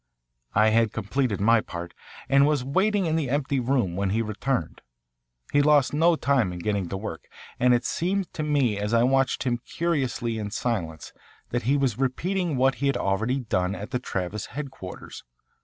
I had completed my part and was waiting in the empty room when he returned. He lost no time in getting to work, and it seemed to me as I watched him curiously in silence that he was repeating what he had already done at the Travis headquarters.